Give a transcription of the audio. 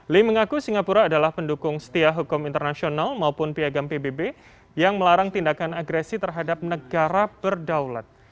lee mengaku singapura adalah pendukung setia hukum internasional maupun piagam pbb yang melarang tindakan agresi terhadap negara berdaulat